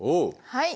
はい。